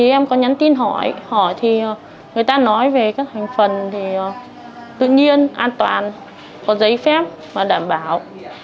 em có nhắn tin hỏi người ta nói về các hành phần tự nhiên an toàn có giấy phép và đảm bảo